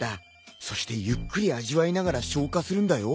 そしてゆっくり味わいながら消化するんだよ。